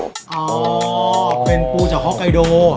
ใช่